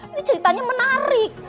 ini ceritanya menarik